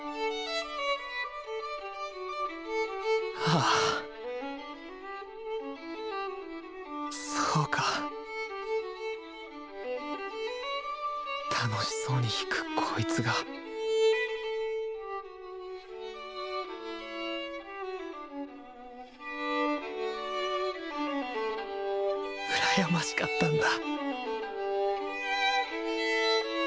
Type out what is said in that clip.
ああそうか楽しそうに弾くこいつが羨ましかったんだ